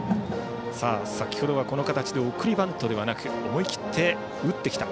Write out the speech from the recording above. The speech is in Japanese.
先程は、この形で送りバントではなく思い切って打ってきた。